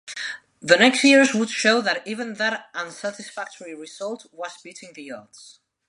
The next years would show that even that unsatisfactory result was beating the odds.